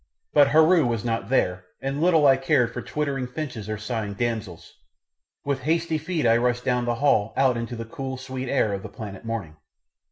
But Heru was not there and little I cared for twittering finches or sighing damsels. With hasty feet I rushed down the hall out into the cool, sweet air of the planet morning.